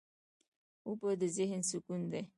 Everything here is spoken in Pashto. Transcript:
اوبه د ذهن سکون دي.